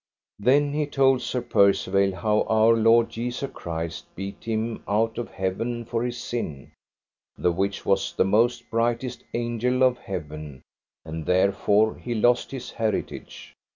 Then he told Sir Percivale how our Lord Jesu Christ beat him out of heaven for his sin, the which was the most brightest angel of heaven, and therefore he lost his heritage.